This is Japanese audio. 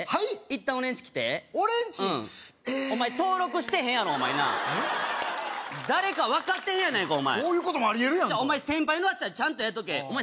一旦俺んち来て俺んちえ登録してへんやろお前な誰か分かってへんやないかお前こういうこともありえるやんか先輩のやつはちゃんと入れとけお前